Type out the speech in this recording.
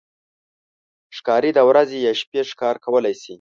ښکاري د ورځې یا شپې ښکار کولی شي.